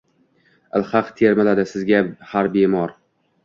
Ilhaq termiladi Sizga har bemor.